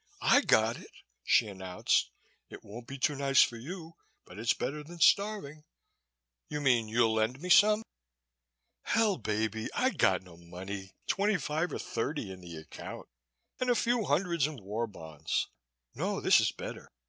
"I got it," she announced. "It won't be too nice for you but it's better than starving." "You mean you'll lend me some?" "Hell, baby, I got no money twenty five or thirty in the account and a few hundreds in war bonds. No, this is better.